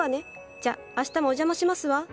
じゃ明日もお邪魔しますわ。